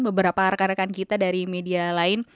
beberapa rekan rekan kita dari media lain